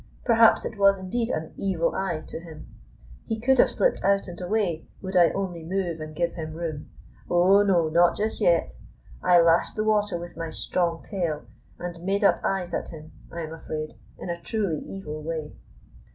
Perhaps it was indeed "an evil eye" to him. He could have slipped out and away would I only move and give him room. Oh, no, not just yet! I lashed the water with my strong tail, and "made up eyes" at him, I am afraid, in a truly evil way.